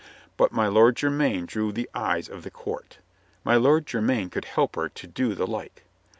But my Lord Jermyn drew the eyes of the court. My Lord Jermyn could help her to do the like.